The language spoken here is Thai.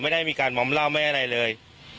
ไม่ได้มีการมอมเหล้าไม่ได้อะไรเลย